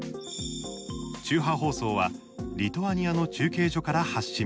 中波放送はリトアニアの中継所から発信。